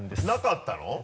なかったの？